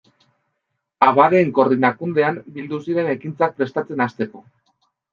Abadeen Koordinakundean bildu ziren ekintzak prestatzen hasteko.